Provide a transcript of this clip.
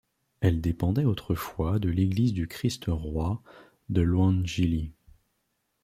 Elle dépendait autrefois de l'église du Christ-Roi de Loandjili.